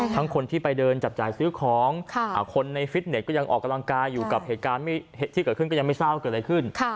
คนที่ไปเดินจับจ่ายซื้อของคนในฟิตเน็ตก็ยังออกกำลังกายอยู่กับเหตุการณ์ที่เกิดขึ้นก็ยังไม่ทราบว่าเกิดอะไรขึ้น